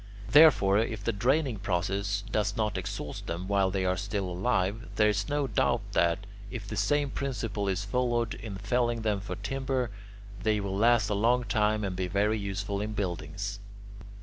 Therefore, if the draining process does not exhaust them while they are still alive, there is no doubt that, if the same principle is followed in felling them for timber, they will last a long time and be very useful in buildings.